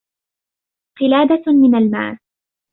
قلادة من الماس